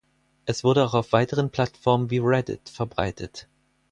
Es wurde auch auf weiteren Plattformen wie Reddit verbreitet.